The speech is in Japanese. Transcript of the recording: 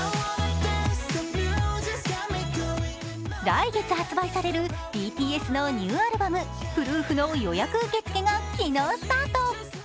来月発売されるＢＴＳのニューアルバム「Ｐｒｏｏｆ」の予約受付が昨日スタート。